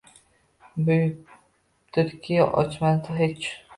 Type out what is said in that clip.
Buyukdirki, oʼchmaydi hech